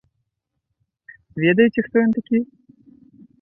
Ведаеце, хто ён такі?